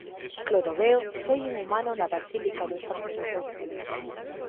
Clodoveo foi inhumado na Basílica dos Santos Apóstolos